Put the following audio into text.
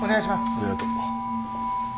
ありがとう。